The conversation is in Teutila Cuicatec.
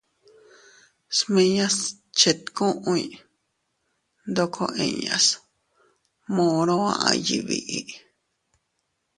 Smiñas chetkuy ndoko inñas moro aʼay yiʼi biʼi.